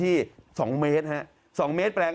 โอ้ยน้ำแรงมากเลย